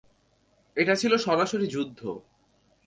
এটা ছিল সরাসরি যুদ্ধ।